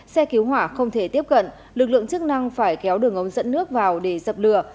xe cứu hỏa không thể tiếp cận lực lượng chức năng phải kéo đường ống dẫn nước vào để dập lửa